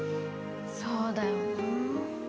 そうだよなあ。